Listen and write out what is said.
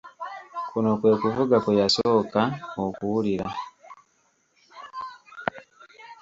Kuno kwe kuvuga kwe yasooka okuwulira.